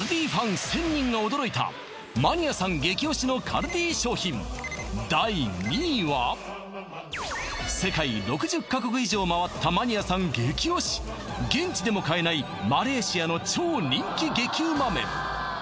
１０００人が驚いたマニアさん激推しのカルディ商品第２位は世界６０か国以上回ったマニアさん激推し現地でも買えないマレーシアの超人気激ウマ麺